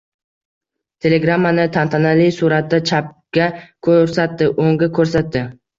Telegrammani tantanali suratda chapga ko‘rsatdi, o‘ngga ko‘rsatdi.